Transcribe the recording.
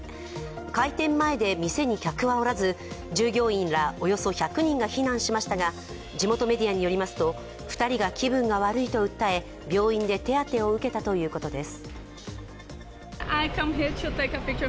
開店前で店に客はおらず従業員らおよそ１００人が避難しましたが地元メディアによりますと２人が希望が悪いと訴え、病院で手当てを受けたということです。